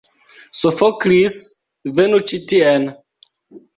Sofoklis, venu ĉi tien!